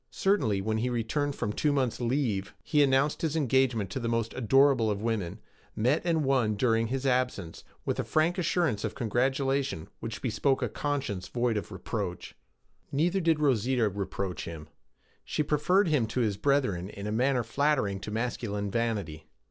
Certainly, when he returned from a two months' 'leave,' he announced his engagement to the most adorable of women, met and won during his absence, with a frank assurance of congratulation which bespoke a conscience void of reproach. Neither did Rosita reproach him. She preferred him to his brethren in a manner flattering to masculine vanity.